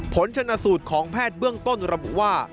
ผลชนะสูตรของแพทย์เบื้องต้นระบุว่า